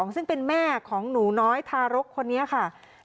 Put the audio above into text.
ซึ่งเป็นแม่ของหนูน้อยทารกคนนี้ค่ะ